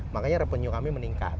makanya revenue kami meningkat